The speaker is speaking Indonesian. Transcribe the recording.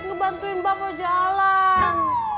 ngebantuin bapak jalan